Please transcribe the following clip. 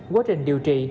quá trình điều trị